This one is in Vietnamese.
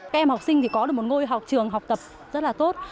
các em học sinh thì có được một ngôi trường học tập rất là tốt